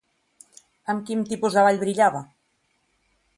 Amb quin tipus de ball brillava?